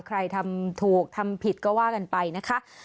ใครทำถูกทำผิดก็ว่ากันไปนะคะ